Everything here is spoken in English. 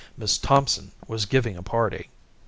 Miss Thompson was giving a party.